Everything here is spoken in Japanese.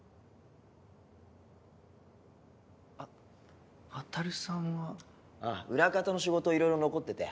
あっ渉さんは？ああ裏方の仕事いろいろ残ってて。